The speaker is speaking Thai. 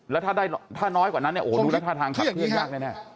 แล้วถ้าน้อยกว่านั้นเนี่ยดูรักษฐานขับเคลื่อนยากแน่